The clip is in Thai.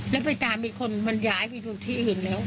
แล้วไปตามอีกคนมันย้ายไปอยู่ที่อื่นแล้ว